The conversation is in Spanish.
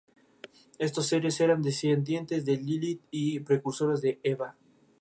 Estos seres eran descendientes de Lilith y precursores de Eva.